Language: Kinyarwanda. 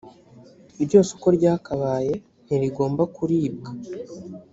ryose uko ryakabaye ntirigomba kuribwa